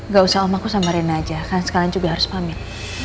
gak usah om aku sama rina aja kan sekalian juga harus pamit